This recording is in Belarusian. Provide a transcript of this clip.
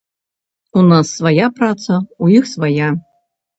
У нас свая праца, у іх свая.